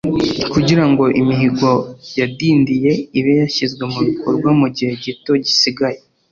kugira ngo imihigo yadindiye ibe yashyizwe mu bikorwa mu gihe gito gisigaye